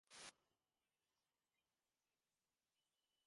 সেই পরিবারের লোপের সঙ্গে সঙ্গে সেই বেদাংশও লুপ্ত হইয়াছে।